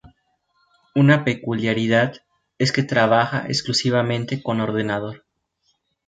Una peculiaridad es que trabaja exclusivamente con ordenador.